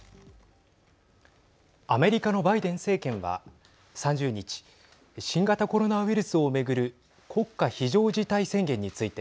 アメリカのバイデン政権は３０日新型コロナウイルスを巡る国家非常事態宣言について